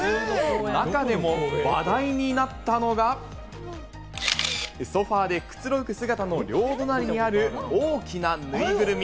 中でも話題になったのが、ソファでくつろぐ姿の両隣にある、大きなぬいぐるみ。